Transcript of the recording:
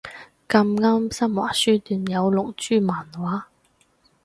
咁啱新華書店有龍珠漫畫